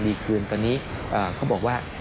ดีคืนตอนนี้เขาบอกว่า